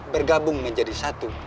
bergabung menjadi satu